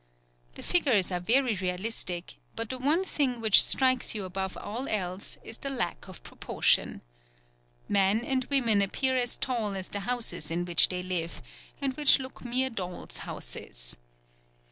The figures are very realistic, but the one thing which strikes you above all else is the lack of proportion. Men and women appear as tall as the houses in which they live, and which look mere dolls' houses.